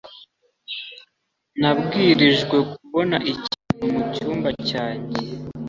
nabwirijwe kubona ikintu mu cyumba cyanjye